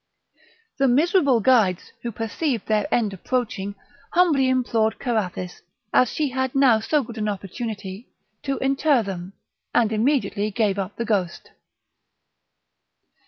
The miserable guides, who perceived their end approaching, humbly implored Carathis, as she had now so good an opportunity, to inter them, and immediately gave up the ghost.